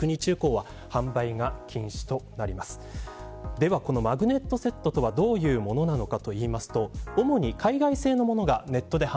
では、このマグネットセットとはどういうものなのか。